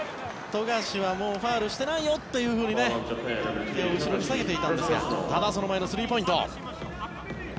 富樫はもうファウルしていないよというふうに手を後ろに下げていたんですがただ、その前のスリーポイント。